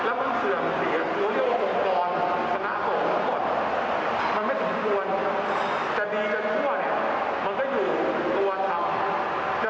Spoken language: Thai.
ไม่ใช่แต่ก่าวว่าและคำว่าไอ้วัฒน์มีผลัพย์ยังไม่ได้